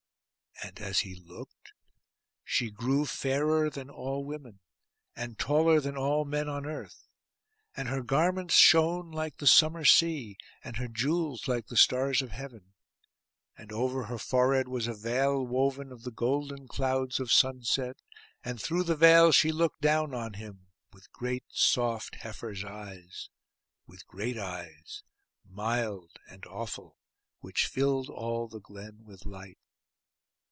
And as he looked, she grew fairer than all women, and taller than all men on earth; and her garments shone like the summer sea, and her jewels like the stars of heaven; and over her forehead was a veil woven of the golden clouds of sunset; and through the veil she looked down on him, with great soft heifer's eyes; with great eyes, mild and awful, which filled all the glen with light.